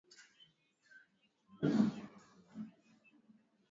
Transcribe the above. Tanzania ilikuwa na bahati ya mambo mawili